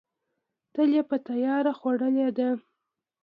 تل یې په تیاره خوړلې ده.